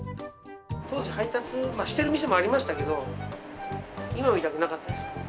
当時、配達している店もありましたけど、今みたくなかったですよ。